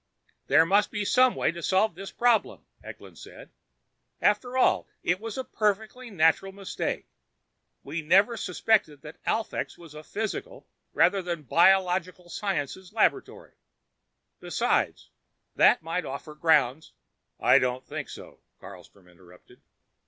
"There must be some way to solve this problem," Eklund said. "After all it was a perfectly natural mistake. We never suspected that Alphax was a physical rather than a biological sciences laboratory. Perhaps that might offer grounds " "I don't think so," Carlstrom interrupted.